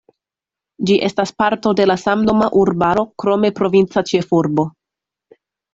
Ĝi estas parto de la samnoma urbaro, krome provinca ĉefurbo.